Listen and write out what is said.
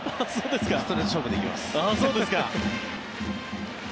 ストレート勝負で行きます。